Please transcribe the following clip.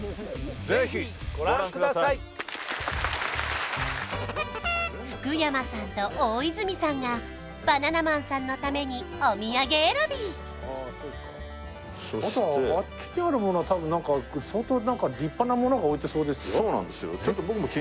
ぜひご覧ください福山さんと大泉さんがバナナマンさんのためにお土産選びそしてあとあっちにある物はたぶん何か相当何か立派な物が置いてそうですよそうなんですよ